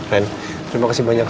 ren terima kasih banyak